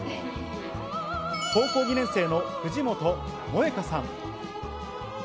高校２年生の藤本萌歌さん。